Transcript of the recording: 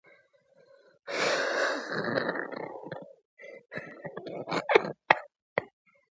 روهيلۍ ، ژمنه ، ژېړکه ، زرغونه ، زاڼه ، زرلښته ، زردانه